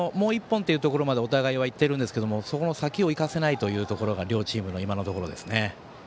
もう１本というところまでお互いはいってるんですけどもそこの先をいかせないというのが両チームの今のところです。